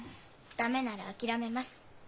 駄目なら諦めます。